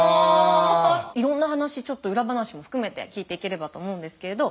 いろんな話ちょっとウラ話も含めて聞いていければと思うんですけれど。